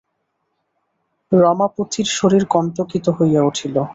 রমাপতির শরীর কণ্টকিত হইয়া উঠিল।